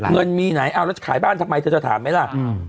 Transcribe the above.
เงินมีไหนเอาแล้วจะขายบ้านทำไมเธอจะถามไหมล่ะ